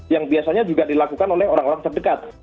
yang biasanya juga dilakukan oleh orang orang terdekat